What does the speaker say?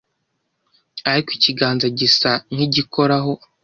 ariko ikiganza gisa nkigikoraho